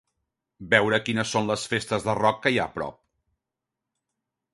Veure quines són les festes de rock que hi ha a prop.